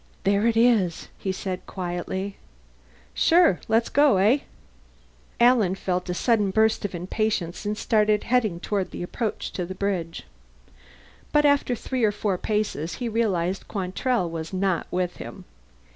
"There it is," he said quietly. "Sure. Let's go, eh?" Alan felt a sudden burst of impatience and started heading toward the approach to the bridge. But after three or four paces he realized Quantrell was not with him.